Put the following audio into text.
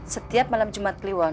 setiap malam jumat kliwon